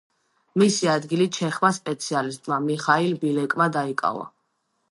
მისი ადგილი ჩეხმა სპეციალისტმა, მიხალ ბილეკმა დაიკავა.